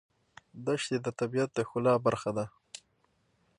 دښتې د طبیعت د ښکلا برخه ده.